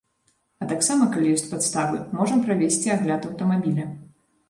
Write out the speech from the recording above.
А таксама, калі ёсць падставы, можам правесці агляд аўтамабіля.